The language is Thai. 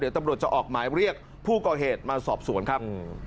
ตำรวจจะออกหมายเรียกผู้ก่อเหตุมาสอบสวนครับ